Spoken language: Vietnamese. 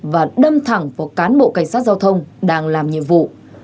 và đâm thẳng vào cán bộ cảnh sát giao thông đang làm nhiệm vụ